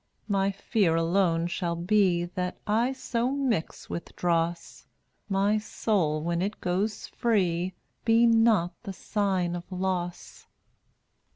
My fear alone shall be That I so mix with dross My soul, when it goes free, Be not the sign of loss.